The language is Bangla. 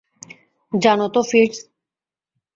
জানো তো, ফিটজ?